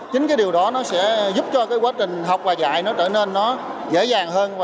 chính điều đó sẽ giúp cho quá trình học và dạy trở nên dễ dàng